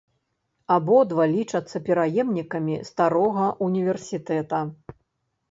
Абодва лічацца пераемнікамі старога ўніверсітэта.